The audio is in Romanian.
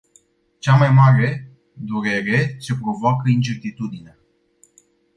Cea mai mare durereți-o provoacă incertitudinea.